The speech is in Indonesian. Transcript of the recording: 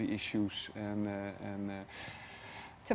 jadi itu adalah kunci